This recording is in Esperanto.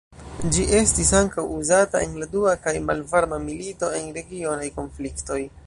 Ĝi estis ankaŭ uzata en la dua kaj malvarma milito, en regionaj konfliktoj.